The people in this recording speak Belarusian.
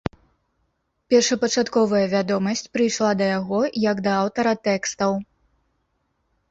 Першапачатковая вядомасць прыйшла да яго як да аўтара тэкстаў.